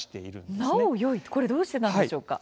これどうしてなんでしょうか？